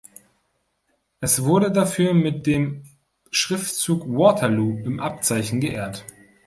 Es wurde dafür mit dem Schriftzug "Waterloo" im Abzeichen geehrt.